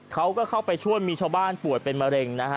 เขาก็เข้าไปช่วยมีชาวบ้านป่วยเป็นมะเร็งนะฮะ